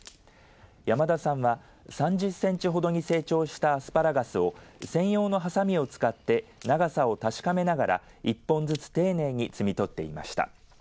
山田さんは３０センチほどに成長したアスパラガスを専用のはさみを使って長さを確かめながら１本ずつ丁寧に摘み取っていました。